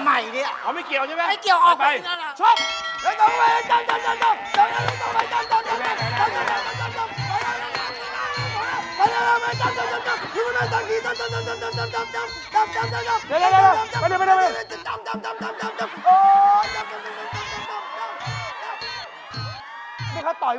เพราะอะไรครับโทษครับอ๋อ